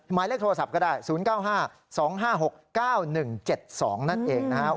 หมายเลขโทรศัพท์ก็ได้๐๙๕๒๕๖๙๑๗๒นั่นเองนะครับ